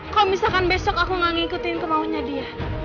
kalo misalkan besok aku gak ngikutin kemauannya dia